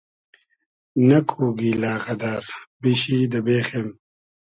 نئکو گیلۂ غئدئر بیشی دۂ بېخیم